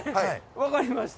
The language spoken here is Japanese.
分かりました。